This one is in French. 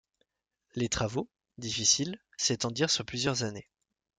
Les travaux, difficiles, s'étendirent sur plusieurs années.